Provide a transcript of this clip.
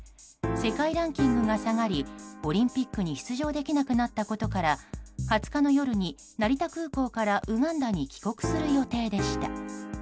世界ランキングが下がりオリンピックに出場できなくなったことから２０日の夜に成田空港からウガンダに帰国する予定でした。